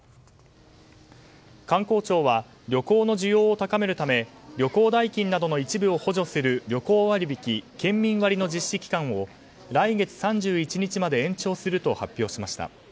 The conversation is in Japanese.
観光庁は旅行の需要を高めるため旅行代金などの一部を補助する割引県民割の実施期間を来月３１日まで延長すると発表しました。